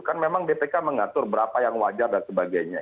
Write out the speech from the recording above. kan memang bpk mengatur berapa yang wajar dan sebagainya